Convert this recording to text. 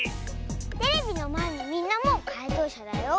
テレビのまえのみんなもかいとうしゃだよ。